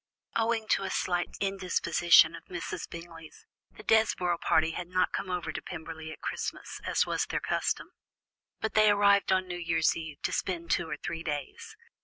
Owing to a slight indisposition of Mrs. Bingley's, the Desborough party had not come over to Pemberley at Christmas, as was their custom, but they arrived on New Year's Eve to spend two or three days.